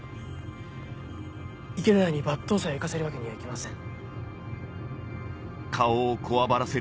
池田屋に抜刀斎を行かせるわけにはいきません。